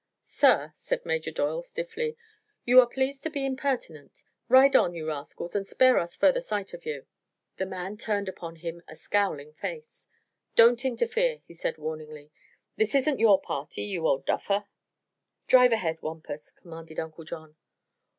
"Sir," said Major Doyle, stiffly, "you are pleased to be impertinent. Ride on, you rascals, and spare us further sight of you." The man turned upon him a scowling face. "Don't interfere," he said warningly. "This isn't your party, you old duffer!" "Drive ahead, Wampus," commanded Uncle John.